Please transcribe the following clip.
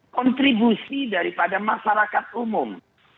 kontribusi daripada masyarakat umum